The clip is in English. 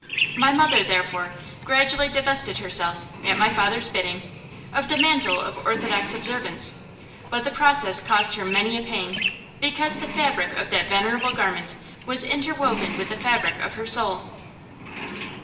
My mother, therefore, gradually divested herself, at my father's bidding, of the mantle of orthodox observance; but the process cost her many a pang, because the fabric of that venerable garment was interwoven with the fabric of her soul.